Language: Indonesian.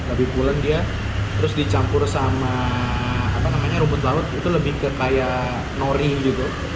lebih pulen dia terus dicampur sama rumput laut itu lebih ke kayak nori gitu